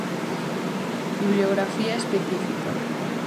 Bibliografía específica.